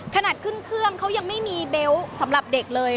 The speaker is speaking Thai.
ขนาดขึ้นเครื่องเขายังไม่มีเบลต์สำหรับเด็กเลย